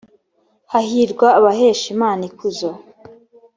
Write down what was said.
hahirwa abahesha imana ikuzo